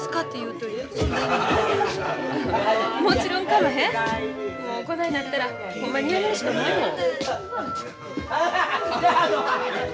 もうこないなったらほんまにやめるしかないもん。